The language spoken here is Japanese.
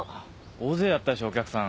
大勢だったでしょうお客さん。